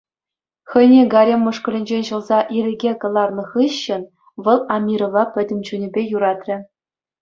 Хӑйне гарем мӑшкӑлӗнчен ҫӑлса ирӗке кӑларнӑ хыҫҫӑн вӑл Амирова пӗтӗм чунӗпе юратрӗ.